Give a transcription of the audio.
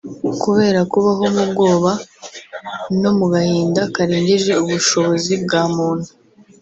Kubera kubaho mu bwoba no mu gahinda karengeje ubushobozi bwa muntu